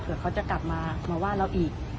เผื่อเขาจะกลับมาว่าเราอีก